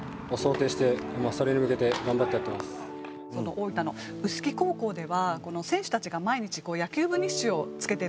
大分の臼杵高校では選手たちが毎日野球部日誌をつけてるんですけれども。